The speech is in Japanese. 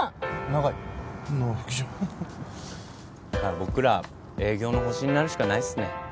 まあ僕ら営業の星になるしかないっすね。